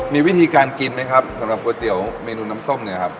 มีวิธีการกินไหมครับสำหรับก๋วยเตี๋ยวเมนูน้ำส้มเนี่ยครับ